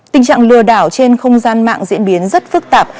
tình trạng lừa đảo trên không gian mạng diễn biến rất phức tạp